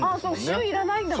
塩いらないんだ